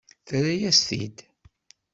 Terra-yas-t-id.